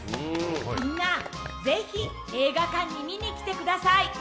みんな、ぜひ映画館に観に来てください！